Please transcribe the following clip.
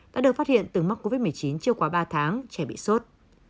đã được phát hiện từ mắc covid một mươi chín chiều qua ba tháng trẻ bị sốt